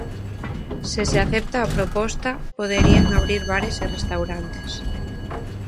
Se se acepta a proposta, poderían abrir bares e restaurantes.